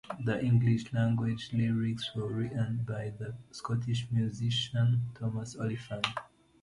The English-language lyrics were written by the Scottish musician Thomas Oliphant.